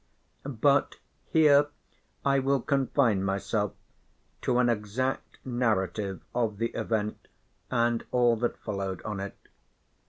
But here I will confine myself to an exact narrative of the event and all that followed on it.